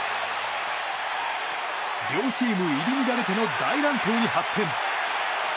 両チーム入り乱れての大乱闘に発展。